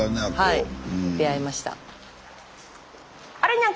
はい出会いました。